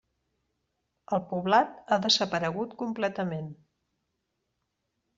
El poblat ha desaparegut completament.